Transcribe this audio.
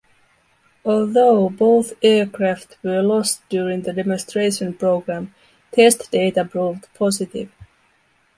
Although both aircraft were lost during the demonstration program, test data proved positive.